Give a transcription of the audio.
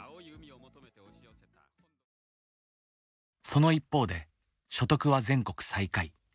その一方で所得は全国最下位。